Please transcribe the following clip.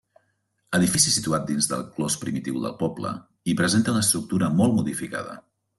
Edifici situat dins del clos primitiu del poble, i presenta una estructura molt modificada.